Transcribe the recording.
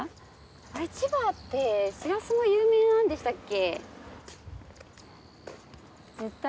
あれ千葉ってしらすも有名なんでしたっけ？